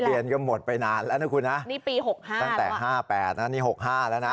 เรียนก็หมดไปนานแล้วนะคุณนะนี่ปี๖๕ตั้งแต่๕๘นะนี่๖๕แล้วนะ